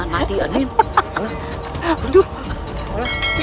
jangan jangan mati min